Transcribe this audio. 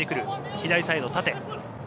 左サイド、縦。